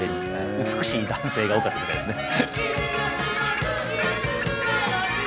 美しい男性が多かった時代ですね。